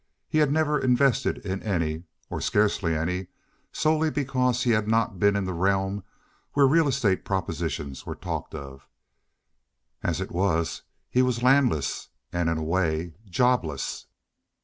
He had never invested in any, or scarcely any, solely because he had not been in a realm where real estate propositions were talked of. As it was he was landless and, in a way, jobless.